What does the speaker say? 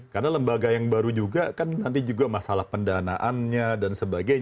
karena lembaga yang baru juga kan nanti juga masalah pendanaannya dan sebagainya